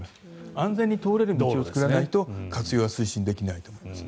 安全に通れる道を作らないと活用は推進できないと思います。